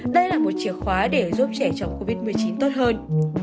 đây là một chìa khóa để giúp trẻ chống covid một mươi chín tốt hơn